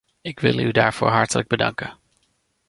Ik wil u daarvoor hartelijk bedanken.